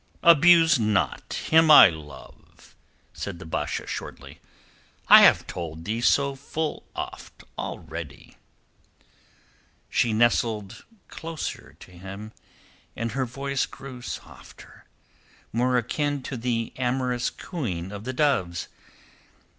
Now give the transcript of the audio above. "Abuse not him I love," said the Basha shortly. "I have told thee so full oft already." She nestled closer to him, and her voice grew softer, more akin to the amorous cooing of the doves.